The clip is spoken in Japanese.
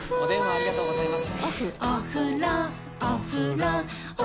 ありがとうございます！